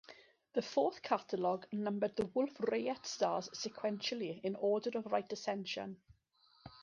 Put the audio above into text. The fourth catalogue numbered the Wolf Rayet stars sequentially in order of right ascension.